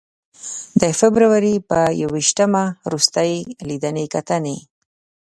د فبروري په ی ویشتمه روستۍ لیدنې کتنې.